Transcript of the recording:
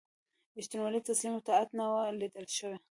ریښتینولي، تسلیمي او اطاعت نه وه لیده شوي.